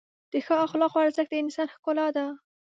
د ښو اخلاقو ارزښت د انسان ښکلا ده.